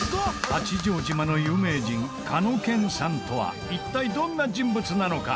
八丈島の有名人かのけんさんとは一体どんな人物なのか？